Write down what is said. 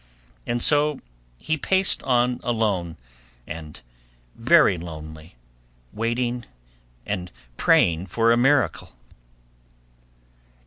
And so he paced on alone and very lonely, waiting and praying for a miracle.